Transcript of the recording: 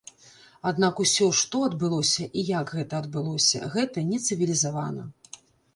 Але ўсё, што адбылося і як гэта адбылося,— гэта не цывілізавана.